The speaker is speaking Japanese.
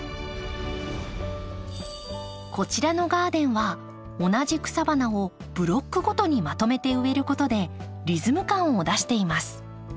こちらのガーデンは同じ草花をブロックごとにまとめて植えることでリズム感を出しています。